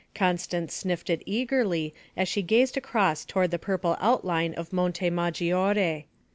Constance sniffed it eagerly as she gazed across toward the purple outline of Monte Maggiore.